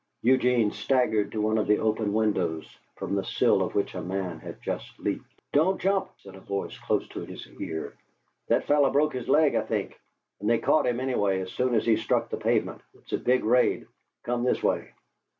Eugene staggered to one of the open windows, from the sill of which a man had just leaped. "Don't jump," said a voice close to his ear. "That fellow broke his leg, I think, and they caught him, anyway, as soon as he struck the pavement. It's a big raid. Come this way."